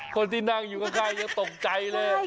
คนที่นั่งอยู่ใกล้ก็ตกใจเลย